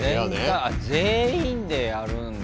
あ全員でやるんだ。